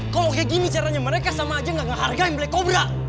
kalau kayak gini caranya mereka sama aja gak ngehargai black kobra